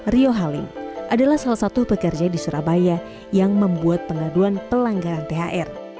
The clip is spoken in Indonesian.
rio halim adalah salah satu pekerja di surabaya yang membuat pengaduan pelanggaran thr